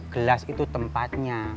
gelas itu tempatnya